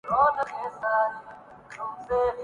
تو کس نے ہمیں روکا تھا؟